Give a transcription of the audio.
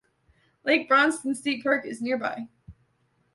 Lake Bronson State Park is nearby.